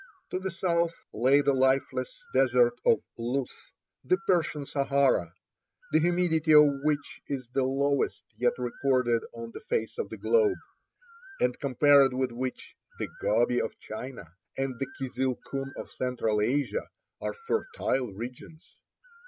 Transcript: To the south lay the lifeless desert of Luth, the "Persian Sahara," the humidity of which is the lowest yet recorded on the face of the globe, and compared with which "the Gobi of China and the Kizil Kum of central Asia are fertile regions."